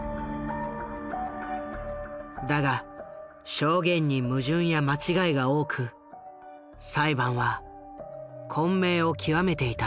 だが証言に矛盾や間違いが多く裁判は混迷を極めていた。